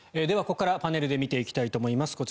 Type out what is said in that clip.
ではここからパネルで見ていきたいと思います。